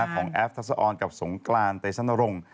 ของแอปทักษะออนกับสงกรานเตศนรงค์